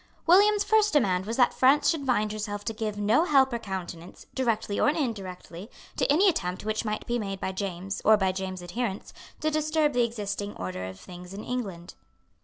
William's first demand was that France should bind herself to give no help or countenance, directly or indirectly, to any attempt which might be made by James, or by James's adherents, to disturb the existing order of things in England.